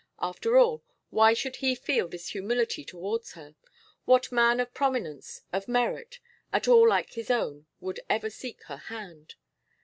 After all, why should he feel this humility towards her? What man of prominence, of merit, at all like his own would ever seek her hand?